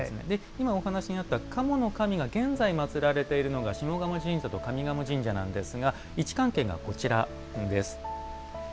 今お話にあった賀茂の神が現在まつられているのが下鴨神社と上賀茂神社なんですが位置関係がこちらです。